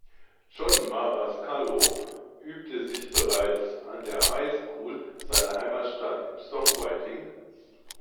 John Marascalco übte sich bereits an der Highschool seiner Heimatstadt im Songwriting.